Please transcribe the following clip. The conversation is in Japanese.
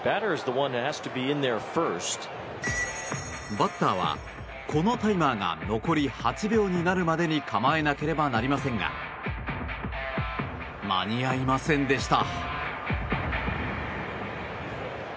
バッターは、このタイマーが残り８秒になるまでに構えなければなりませんが間に合いませんでした。